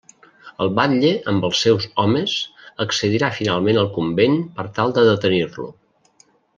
El batlle amb els seus homes accedirà finalment al convent per tal de detenir-lo.